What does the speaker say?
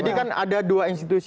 jadi kan ada dua institusi